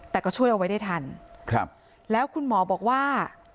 แต่ก็ช่วยเอาไว้ได้ทันครับแล้วคุณหมอบอกว่า